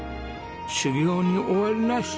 修業に終わりなし。